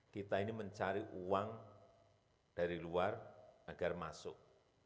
kita ini mencari uang dari luar agar masuk